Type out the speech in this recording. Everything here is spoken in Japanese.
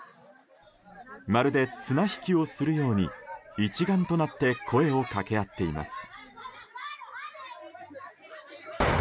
まるで綱引きをするように一丸となって声をかけ合っています。